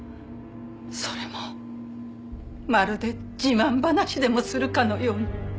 それもまるで自慢話でもするかのように。